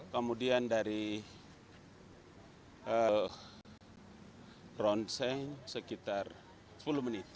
kemudian dari ronseng sekitar sepuluh menit